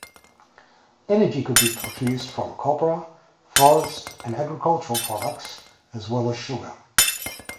Energy could be produced from copra, forest, and agricultural products, as well as sugar.